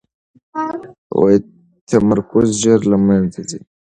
تمرکز ژر له منځه ځي.